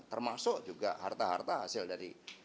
termasuk juga harta harta hasil dari